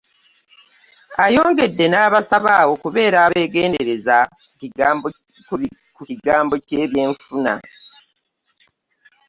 Ayongedde n'abasaba okubeera abengendereza ku kigambo ky'ebyenfuna.